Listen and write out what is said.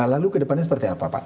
lalu ke depannya seperti apa pak